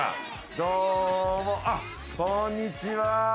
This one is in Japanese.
どうもあっこんにちは。